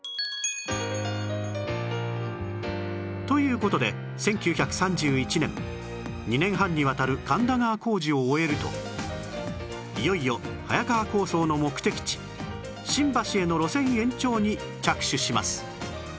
という事で１９３１年２年半にわたる神田川工事を終えるといよいよ早川構想の目的地新橋への路線延長に着手します